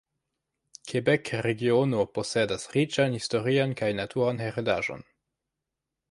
Kebek-regiono posedas riĉan historian kaj naturan heredaĵon.